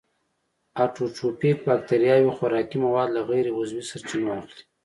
اټوټروفیک باکتریاوې خوراکي مواد له غیر عضوي سرچینو اخلي.